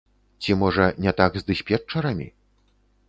Ці можа, не так з дыспетчарамі?